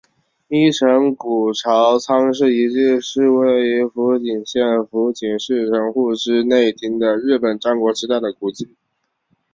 一乘谷朝仓氏遗迹是位于福井县福井市城户之内町的日本战国时代的古迹。